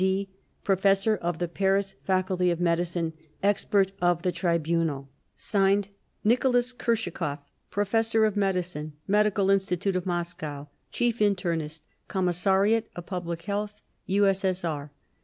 D., Professor of the Paris Faculty of Medicine; Expert of the Tribunal /s/ NICOLAS KURSHAKOV Professor of Medicine, Medical Institute of Moscow Chief Internist, Commissariat of Public Health, U.S.S.R.